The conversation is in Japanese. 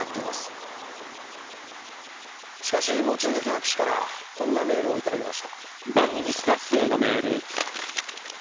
しかし望月博士からこんなメールを頂きました。